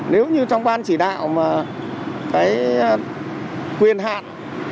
nếu như trong ban chỉ đạo mà cái quyền hạn